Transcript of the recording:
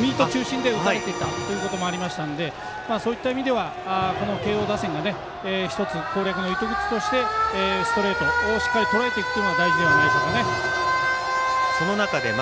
ミート中心で打たれたというのもありましたのでそういった意味では慶応打線が１つ攻略の糸口としてストレートをしっかりとらえていくことが大事だと思います。